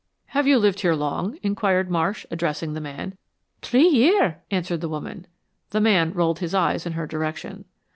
"Have you lived here long?" inquired Marsh, addressing the man. "Tree year," answered the woman. The man rolled his eyes in her direction.